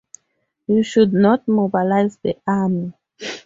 You should not mobilise the army.